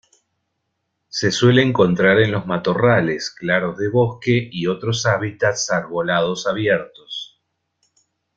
Se suele encontrar en los matorrales, claros de bosque y otros hábitats arbolados abiertos.